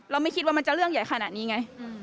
ไม่คิดว่ามันจะเรื่องใหญ่ขนาดนี้ไง